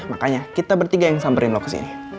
makanya kita bertiga yang samperin lo kesini